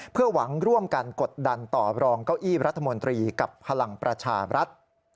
เพื่อหวังร่วมกันกดดันต่อรองเก้าอี้รัฐมนตรีกับพลังประชาบรัฐ